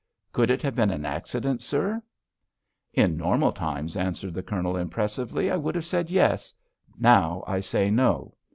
"Could it have been an accident, sir?" "In normal times," answered the Colonel, impressively, "I would have said yes; now I say, no!